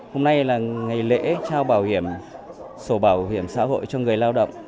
hôm nay là ngày lễ trao sổ bảo hiểm xã hội cho người lao động